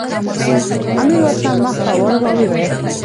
امیر ورته مخ راواړاوه او ویې ویل.